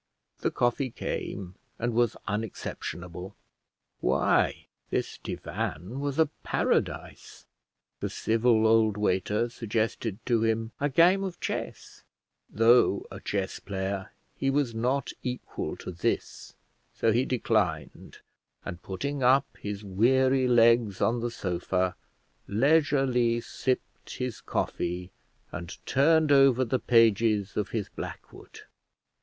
The coffee came, and was unexceptionable. Why, this divan was a paradise! The civil old waiter suggested to him a game of chess: though a chess player he was not equal to this, so he declined, and, putting up his weary legs on the sofa, leisurely sipped his coffee, and turned over the pages of his Blackwood.